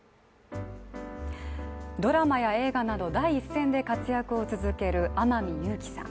ドラマや映画など、第一線で活躍を続ける天海祐希さん。